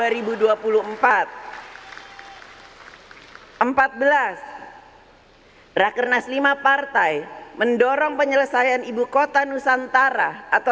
empat belas rakyat kernas lima partai mendorong penyelesaian ibu kota nusantara